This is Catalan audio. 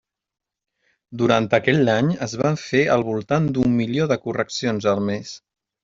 Durant aquell any es van fer al voltant d'un milió de correccions al mes.